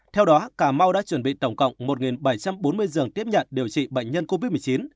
theo đó cà mau đã chuẩn bị tổng cộng một bảy trăm bốn mươi giường tiếp nhận điều trị bệnh nhân covid một mươi chín